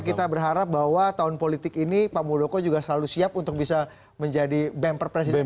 kita berharap bahwa tahun politik ini pak muldoko juga selalu siap untuk bisa menjadi bemper presiden